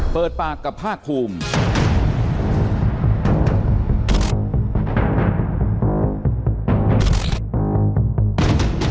เปิดปากกับภาคภูมิ